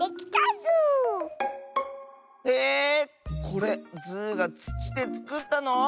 これズーがつちでつくったの？